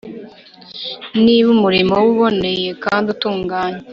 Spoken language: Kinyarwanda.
niba umurimo we uboneye kandi utunganye